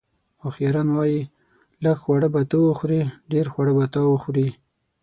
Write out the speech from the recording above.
اوښیاران وایي: لږ خواړه به ته وخورې، ډېر خواړه به تا وخوري.